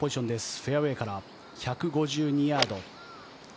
フェアウエーから１５２ヤード。